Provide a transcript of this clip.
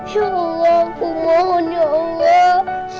ya allah aku mohon ya allah